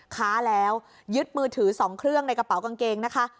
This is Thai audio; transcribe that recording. ค้าแล้วยึดมือถือ๒เครื่องในกระเป๋ากางเกงนะคะ